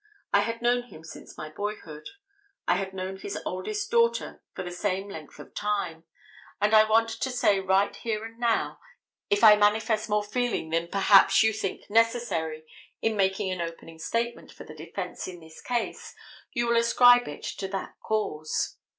I had known him since my boyhood. I had known his oldest daughter for the same length of time; and I want to say right here and now, if I manifest more feeling than perhaps you think necessary in making an opening statement for the defence in this case you will ascribe it to that cause.